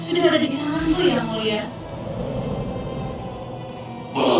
sudah ada di tanganku yang mulia